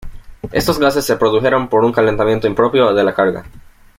Estos gases se produjeron por un calentamiento impropio de la carga.